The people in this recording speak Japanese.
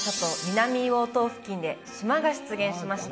南硫黄島付近で島が出現しました